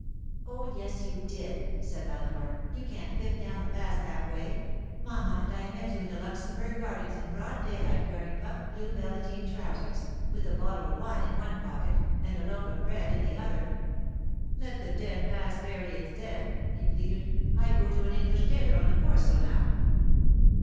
'Oh, yes, you did!' said Eleanor. 'You can't fib down the past that way. Mamma and I met you in the Luxembourg gardens in broad daylight wearing puffed blue velveteen trousers, with a bottle of wine in one pocket and a loaf of bread in the other.' 'Let the dead past bury its dead!' he pleaded. 'I go to an English tailor on the Corso now.